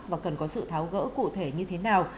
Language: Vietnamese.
và cần có sự tháo gỡ cụ thể như thế nào